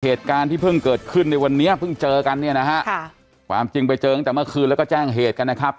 เหตุการณ์ที่เพิ่งเกิดขึ้นในวันนี้เพิ่งเจอกันเนี่ยนะฮะค่ะความจริงไปเจอตั้งแต่เมื่อคืนแล้วก็แจ้งเหตุกันนะครับ